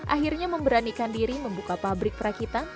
akhirnya memberanikan diri membuka pabrik perakitan